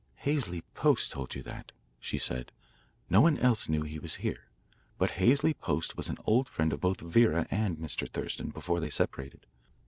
"Halsey Post told you that," she said. "No one else knew he was here. But Halsey Post was an old friend of both Vera and Mr. Thurston before they separated.